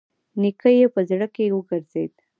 نيکه يې په زړه کې وګرځېد.